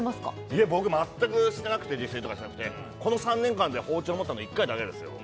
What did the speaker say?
いえ僕全くしてなくて自炊とかしてなくてこの３年間で包丁持ったの１回だけですよ